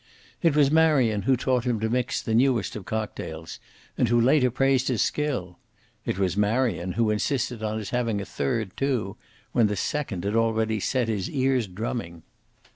It was Marion who taught him to mix the newest of cocktails, and who later praised his skill. It was Marion who insisted on his having a third, too, when the second had already set his ears drumming.